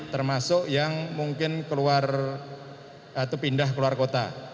termasuk yang mungkin keluar atau pindah keluar kota